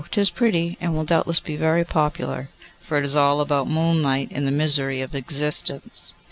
'Tis pretty, and will doubtless be very popular, for it is all about moonlight and the misery of existence.